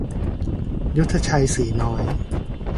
ยุทธชัย สีน้อย